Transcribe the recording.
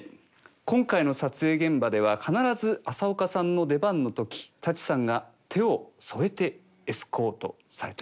今回の撮影現場では必ず浅丘さんの出番の時舘さんが手を添えてエスコートされてらっしゃったと。